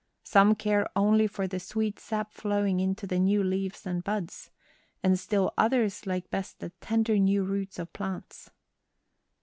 Some care only for the sweet sap flowing into the new leaves and buds. And still others like best the tender new roots of plants."